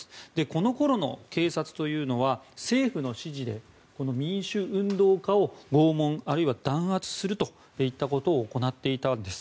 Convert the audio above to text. このころの警察というのは政府の指示で民主運動家を拷問あるいは弾圧するといったことを行っていたんです。